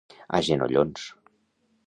A genollons.